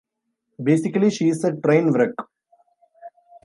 Basically, she's a train wreck.